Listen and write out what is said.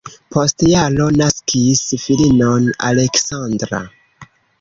Post jaro naskis filinon Aleksandra.